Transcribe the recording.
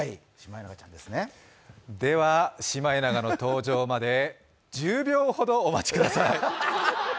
では、シマエナガの登場まで１０秒ほどお待ちください。